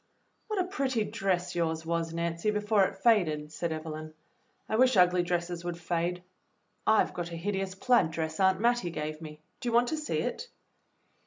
"What a pretty dress yours was, Nancy, before it faded," said Evelyn. "I wish ugly dresses would fade. I've got a hideous plaid dress Aunt Mattie gave me. Do you want to see it.